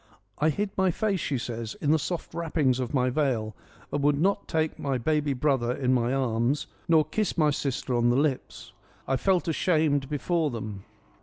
" I hid my face,' she says, ' in the soft wrappings of my veil and would not take my baby brother in my arms nor kiss my sister on the lips — I felt ashamed before them.